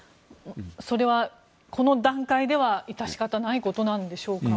それはこの段階では致し方ないことなんでしょうか。